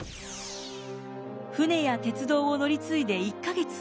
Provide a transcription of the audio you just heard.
船や鉄道を乗り継いで１か月。